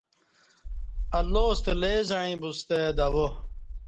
اللہ ستہ لے زعیں بوستہ دوا